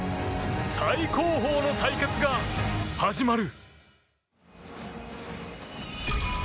最高峰の対決が始まる。